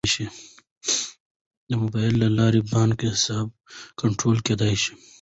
د موبایل له لارې بانکي حساب کنټرول کیدی شي.